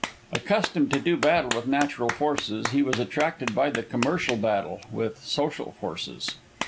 Accustomed to do battle with natural forces, he was attracted by the commercial battle with social forces.